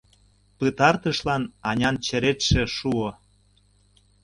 Пытартышлан Анян черетше шуо.